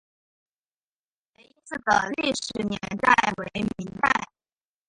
雷音寺的历史年代为明代。